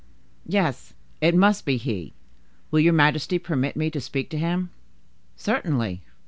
Yes, it must be he! Will your majesty permit me to speak to him?" "Certainly."